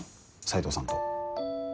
斎藤さんと。